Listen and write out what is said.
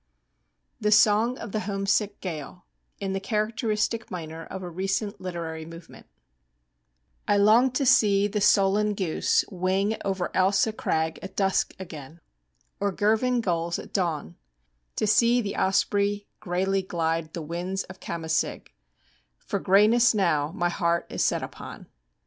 THE SONG OF THE HOMESICK GAEL (In the characteristic minor of a recent literary movement) I long to see the solan goose Wing over Ailsa crag At dusk again or Girvan gulls at dawn; To see the osprey grayly glide The winds of Kamasaig: For grayness now my heart is set upon.